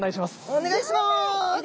お願いします。